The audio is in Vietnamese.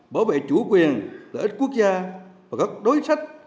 bảo vệ chủ quyền lợi ích quốc gia và các đối sách